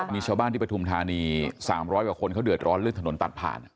มีชาวบ้านที่ปฐุมธานี๓๐๐กว่าคนเขาเดือดร้อนเรื่องถนนตัดผ่าน